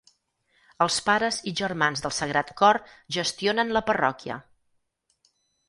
Els Pares i Germans del Sagrat Cor gestionen la parròquia.